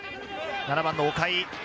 ７番の岡井。